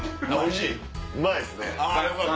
うまいっすね。